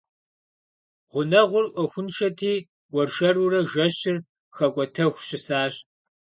Гъунэгъур Ӏуэхуншэти, уэршэрурэ жэщыр хэкӀуэтэху щысащ.